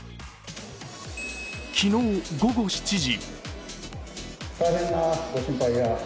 昨日、午後７時。